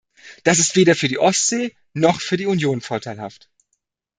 Das ist weder für die Ostsee noch für die Union vorteilhaft.